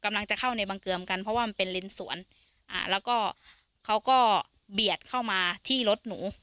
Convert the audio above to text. กำลังจะเข้าในบังเกิมกันเพราะว่าเป็นเล็นสวน